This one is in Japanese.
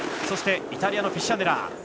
そして、イタリアのフィッシャネラー。